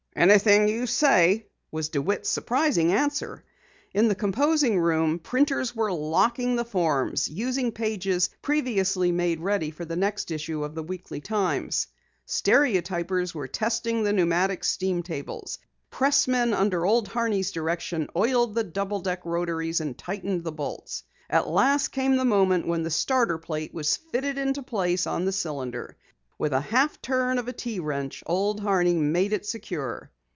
"Anything you say," was DeWitt's surprising answer. In the composing room, printers were locking the forms, using pages previously made ready for the next issue of the Weekly Times. Stereotypers were testing the pneumatic steam tables. Pressmen under Old Horney's direction oiled the double deck rotaries and tightened bolts. At last came the moment when the starter plate was fitted into place on the cylinder. With a half turn of a T wrench Old Horney made it secure.